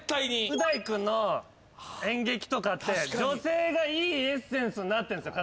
う大君の演劇とかって女性がいいエッセンスになってんですよ。